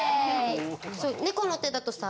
猫の手だとさ。